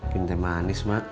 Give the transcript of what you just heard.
bikin teh manis mak